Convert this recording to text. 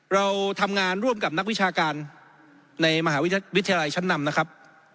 เราทำงานร่วมกับนักวิชาการในมหาวิทยาลัยชั้นนำนะครับ